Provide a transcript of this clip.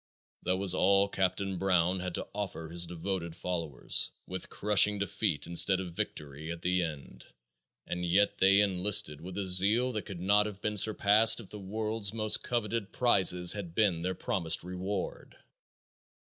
That was all Captain Brown had to offer his devoted followers, with crushing defeat instead of victory at the end, and yet they enlisted with a zeal that could not have been surpassed if the world's most coveted prizes had been their promised reward.